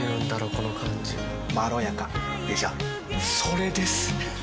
この感じまろやかでしょそれです！